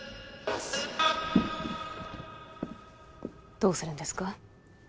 どうするんですか？